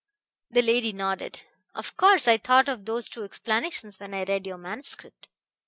The lady nodded. "Of course I thought of those two explanations when I read your manuscript."